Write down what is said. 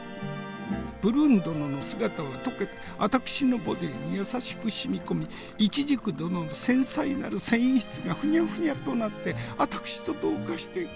プルーン殿の姿は溶けてあたくしのボデーに優しく染み込みイチジク殿の繊細なる繊維質がフニャフニャとなってあたくしと同化していく。